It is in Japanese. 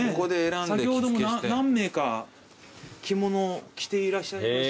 先ほども何名か着物着ていらっしゃいましたもんね。